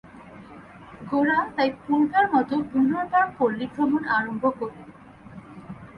গোরা তাই পূর্বের মতো পুনর্বার পল্লীভ্রমণ আরম্ভ করিল।